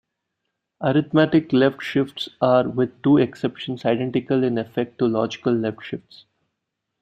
Arithmetic left shifts are, with two exceptions, identical in effect to logical left shifts.